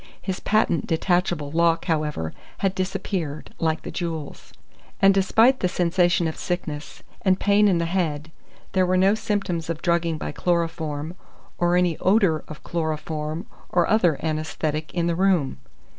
His patent detachable lock, however, had disappeared, like the jewels. And despite the sensation of sickness, and pain in the head, there were no symptoms of drugging by chloroform, or any odour of chloroform or other anæsthetic in the room.